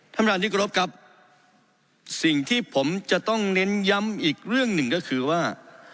ท่านประธานที่กรบครับสิ่งที่ผมจะต้องเน้นย้ำอีกเรื่องหนึ่งก็คือว่า